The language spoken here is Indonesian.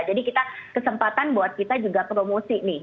jadi kita kesempatan buat kita juga promosi nih